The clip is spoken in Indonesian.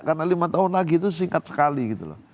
karena lima tahun lagi itu singkat sekali gitu loh